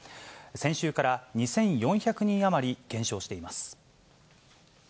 先週から２４００人余り減少しています。